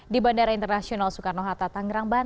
di bandara internasional soekarno hatta